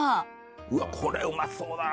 うわっこれうまそうだな。